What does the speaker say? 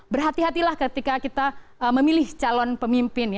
berhati hatilah ketika kita memilih calon pemimpin